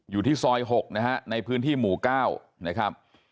อยู่ที่ซอย๖นะฮะในพื้นที่หมู่๙นะครับ